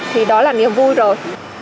thì đó là niềm vui rồi